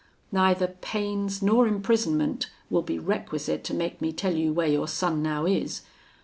Neither pains nor imprisonment will be requisite to make me tell you where your son now is.